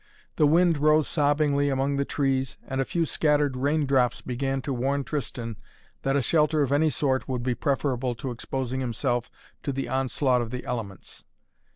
The wind rose sobbingly among the trees, and a few scattered rain drops began to warn Tristan that a shelter of any sort would be preferable to exposing himself to the onslaught of the elements.